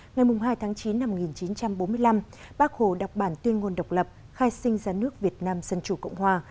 ngày hai tháng chín năm một nghìn chín trăm bốn mươi năm bác hồ đọc bản tuyên ngôn độc lập khai sinh ra nước việt nam dân chủ cộng hòa